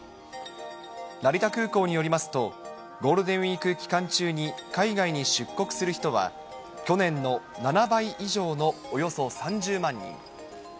成田空港によりますと、ゴールデンウィーク期間中に海外に出国する人は、去年の７倍以上のおよそ３０万人。